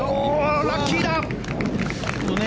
ラッキーだ！